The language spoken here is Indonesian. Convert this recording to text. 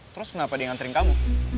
terus kenapa dia nganterin kamu